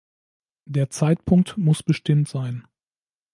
Der Zeitpunkt muss bestimmt sein.